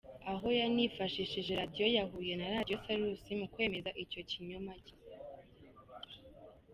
Aho yanifashishije radio ya Huye na radio salus mukwemeza icyo kinyoma cye.